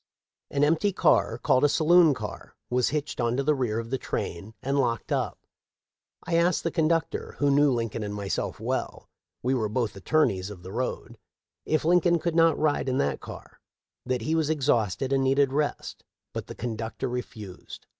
An empty car, called a saloon car, was hitched on to the rear of the train and locked up. I asked the con ductor, who knew Lincoln and myself well, — we were both attorneys of the road, — if Lincoln could not ride in that car ; that he was exhausted and needed rest ; but the conductor refused.